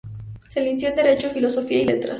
Se licenció en Derecho, Filosofía y Letras.